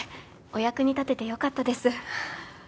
お役に立ててよかったです